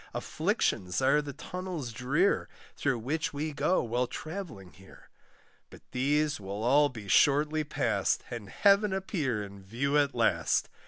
Afflictions are the tunnels drear, Through which we go while travelling here; But these will all be shortly past, And heaven appear in view at last.